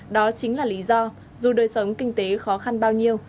đó chính là lý do dù đời sống kinh tế khó khăn bao nhiêu